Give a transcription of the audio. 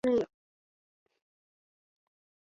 罗泽尔为美国堪萨斯州波尼县的一座城市。